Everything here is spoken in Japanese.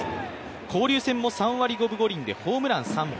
交流戦も３割５分５厘でホームラン３本。